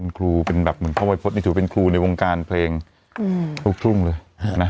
คุณครูเป็นแบบเหมือนพ่อวัยพฤษนี่ถือเป็นครูในวงการเพลงลูกทุ่งเลยนะ